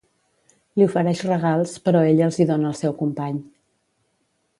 Li ofereix regals però ella els hi dóna al seu company.